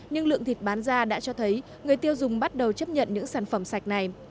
nhưng lượng thịt bán ra đã cho thấy người tiêu dùng bắt đầu chấp nhận những sản phẩm sạch này